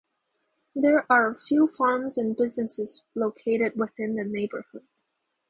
There are few farms and businesses located within the neighborhood.